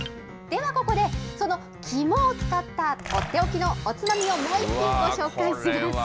では、ここで、その肝を使ったとっておきのおつまみをもう一品、ご紹介します。